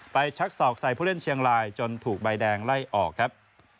ชักศอกใส่ผู้เล่นเชียงรายจนถูกใบแดงไล่ออกครับ